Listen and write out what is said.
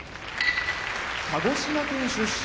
鹿児島県出身